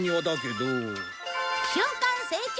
瞬間成長